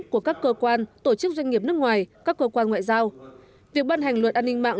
của các cơ quan tổ chức doanh nghiệp nước ngoài các cơ quan ngoại giao việc ban hành luật an ninh mạng